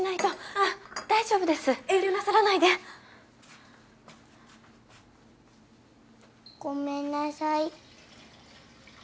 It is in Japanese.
あ大丈夫です。遠慮なさらないで。ごめんなさい。